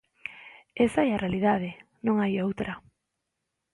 Esa é a realidade, non hai outra.